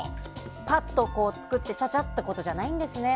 ぱっと作ってチャチャっとじゃないんですね。